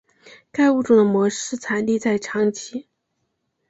该物种的模式产地在长崎。